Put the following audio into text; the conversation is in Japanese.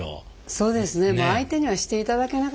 そうですね